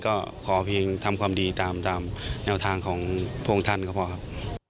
ก็ขอเพียงทำความดีตามแนวทางของพระองค์ท่านก็พอครับ